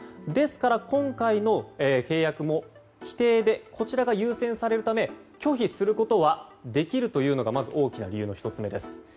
ですから、今回の契約も規定でこちらが優先されるため拒否することはできるというのがまず大きな理由の１つ目です。